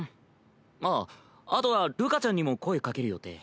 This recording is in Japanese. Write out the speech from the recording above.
あっあとはるかちゃんにも声掛ける予定。